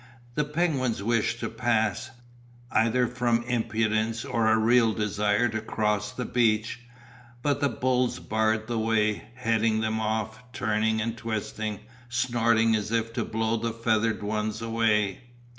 The penguins wished to pass, either from impudence or a real desire to cross the beach, but the bulls barred the way, heading them off, turning and twisting, snorting as if to blow the feathered ones away.